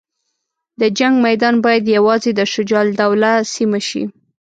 د جنګ میدان باید یوازې د شجاع الدوله سیمه شي.